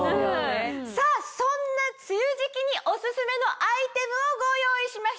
さぁそんな梅雨時期にお薦めのアイテムをご用意しました。